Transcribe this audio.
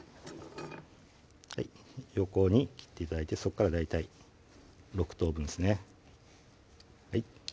横に切って頂いてそっから大体６等分ですね